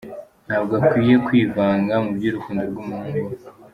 Ntabwo akwiye kwivanga mu by’urukundo rw’umuhungu we.